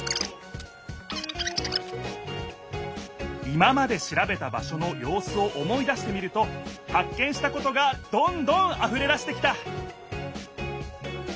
今までしらべた場所のようすを思い出してみるとはっ見したことがどんどんあふれだしてきた！